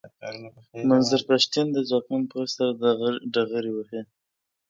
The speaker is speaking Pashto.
منظور پښتين د ځواکمن پوځ سره ډغرې وهي.